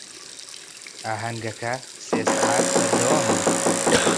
ئاهەنگەکە سێ سەعات بەردەوام بوو.